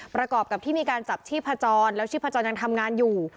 ประกอบกับที่มีการจับชีพจรแล้วชีพจรยังทำงานอยู่